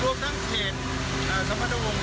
ต่วยเอ่อมะเทาเอ่อสารภัยนะฮะเอ่ออาสาสมัครรวมทั้งเศส